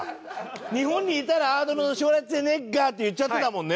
日本にいたらアーノルド・シュワルツェネッガーって言っちゃってたもんね。